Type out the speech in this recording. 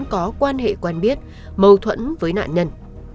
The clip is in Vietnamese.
có quan hệ quen biết mâu thuẫn với nạn nhân